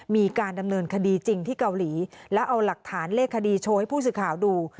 มีการดำเนินคดีจริงที่เกาหลีแล้วเอาหลักฐานเลขคดีโชว์ให้ผู้สื่อข่าวดู